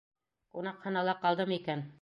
Ҡунаҡханала ҡалдымы икән?